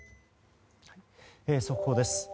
速報です。